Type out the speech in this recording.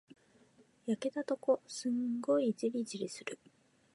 焼けたとこ、すんごいじりじりする。